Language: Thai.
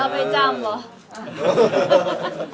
แล้วมีอะไรอย่างอื่นครับ